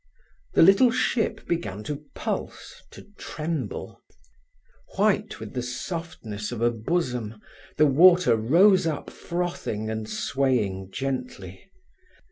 The little ship began to pulse, to tremble. White with the softness of a bosom, the water rose up frothing and swaying gently.